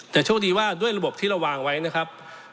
แต่โชคดีว่าด้วยระบบที่เราวางไว้นะครับ